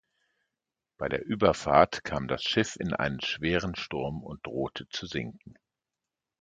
Bei der Überfahrt kam das Schiff in einen schweren Sturm und drohte zu sinken.